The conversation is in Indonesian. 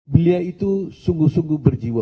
beliau itu sungguh sungguh berjiwa